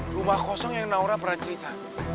rumah kosong yang naura pernah cerita